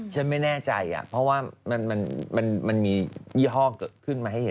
ฉันไม่แน่ใจเพราะว่ามันมียี่ห้อเกิดขึ้นมาให้เห็น